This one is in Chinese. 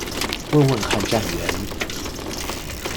问问看站员